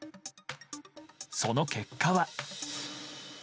その結果は。